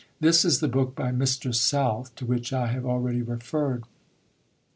This is the book by Mr. South, to which I have already referred.